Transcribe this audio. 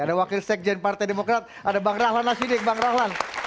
ada wakil sekjen partai demokrat ada bang rahlan nasidik bang rahlan